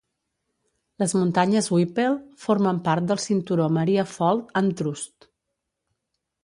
Les muntanyes Whipple formen part del cinturó Maria fold and thrust.